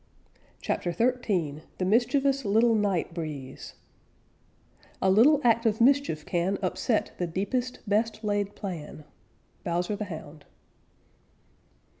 CHAPTER XIII THE MISCHIEVOUS LITTLE NIGHT BREEZE A little act of mischief can Upset the deepest, best laid plan. _Bowser the Hound.